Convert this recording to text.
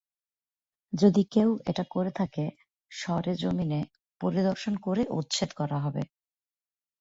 যদি কেউ এটা করে থাকে, সরেজমিনে পরিদর্শন করে উচ্ছেদ করা হবে।